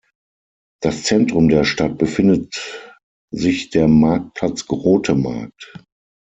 Das Zentrum der Stadt befindet sich der Marktplatz Grote Markt.